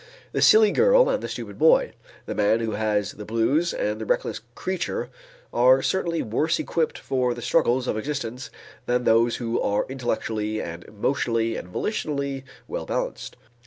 The silly girl and the stupid boy, the man who has the blues and the reckless creature, are certainly worse equipped for the struggles of existence than those who are intellectually and emotionally and volitionally well balanced.